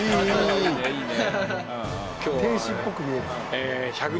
いいねいいね。